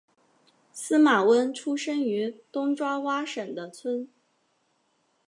司马温出生于东爪哇省的村。